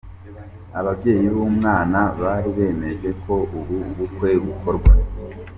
Ababyeyi b’umwana bari bemeje ko ubu bukwe bukorwa.